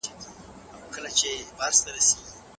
سوسیالیزم په هیوادونو کي نه دی رامنځته شوی.